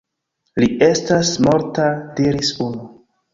Li estas morta, diris unu.